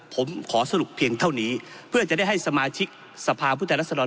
ผมขอสรุปเพียงเท่านี้เพื่อจะได้ให้สมาชิกสภาพผู้แทนรัศดร